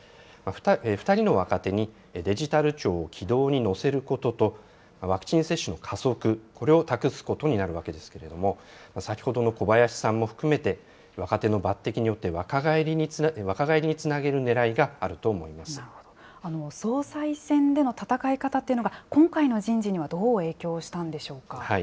２人の若手にデジタル庁を軌道に乗せることと、ワクチン接種の加速、これを託すことになるわけですけれども、先ほどの小林さんも含めて、若手の抜てきによって、若返りにつなげるねらいがあると総裁選での戦い方っていうのが、今回の人事にはどう影響したんでしょうか？